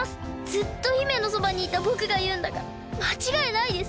ずっと姫のそばにいたぼくがいうんだからまちがいないです。